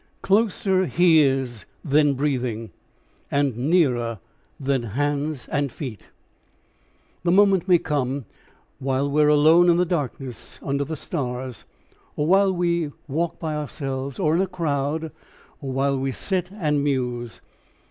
... "Closer he is than breathing, and nearer than hands and feet." The moment may come while we are alone in the darkness, under the stars, or while we walk by ourselves or in a crowd, or while we sit and muse.